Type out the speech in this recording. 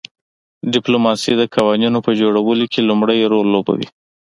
ډیپلوماسي د قوانینو په جوړولو کې لومړی رول لوبوي